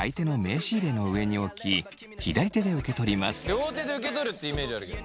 両手で受け取るっていうイメージあるけど。